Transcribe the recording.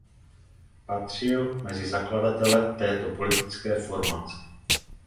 Patřil mezi zakladatele této politické formace.